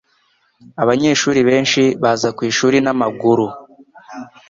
Abanyeshuri benshi baza ku ishuri n'amaguru